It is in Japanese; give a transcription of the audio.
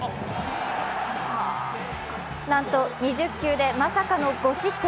なんと２０球でまさかの５失点。